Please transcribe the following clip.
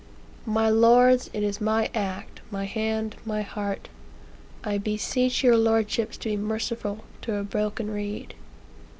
"My lords, it is my act, my hand, my heart. I beseech your lordships to be merciful to a broken reed."